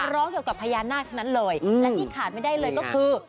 ร้องเกี่ยวกับพญานาคทั้งนั้นเลยและที่ขาดไม่ได้เลยก็คือ